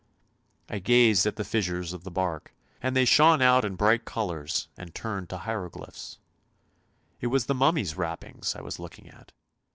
I gazed at the fissures of the bark and they shone out in bright colours and turned to hieroglyphs; it was the mummy's wrappings I was looking at.